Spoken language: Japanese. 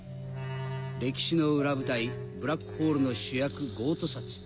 歴史の裏舞台ブラックホールの主役ゴート札。